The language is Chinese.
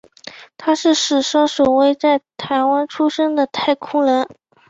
他是史上首位在台湾出生的太空人。